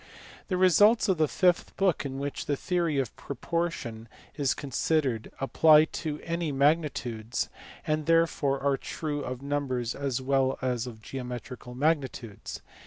The results of the fifth book in which the theory of propor tion is considered apply to any magnitudes, and therefore are true of numbers as well as of geometrical magnitudes.